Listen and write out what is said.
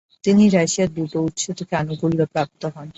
তিনি রাশিয়ায় দুটো উৎস থেকে আনুকূল্য প্রাপ্ত হন।